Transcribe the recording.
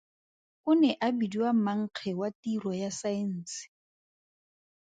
O ne a bidiwa Mankge wa Tiro ya Saense.